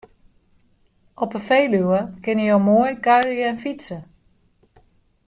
Op 'e Feluwe kinne jo moai kuierje en fytse.